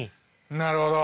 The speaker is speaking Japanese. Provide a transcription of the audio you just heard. なるほど！